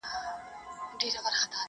ماته د پېغلي کور معلوم دی!!